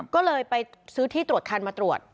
ก็เลยไปซื้อที่ตรวจคันมาตรวจ